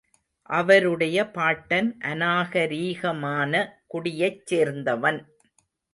அவருடைய பாட்டன் அநாகரீகமான குடியைச் சேர்ந்தவன்.